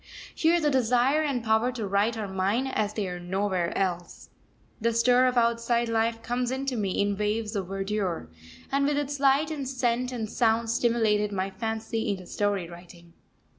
Here the desire and power to write are mine as they are nowhere else. The stir of outside life comes into me in waves of verdure, and with its light and scent and sound stimulated my fancy into story writing.